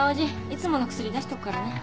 いつもの薬出しとくからね。